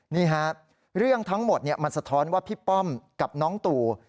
นี่ฮะเรื่องทั้งหมดมันสะท้อนว่าพี่ป้อมกับน้องตู่